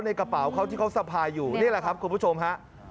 ในกระเป๋าเขาที่เขาสะพายอยู่นี่แหละครับคุณผู้ชมฮะ